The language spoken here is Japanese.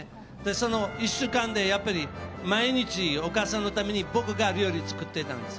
その１週間で、やっぱり毎日お母さんのために僕が料理を作っていたんです。